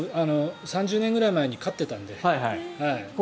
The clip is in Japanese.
３０年ぐらい前に飼ってたので。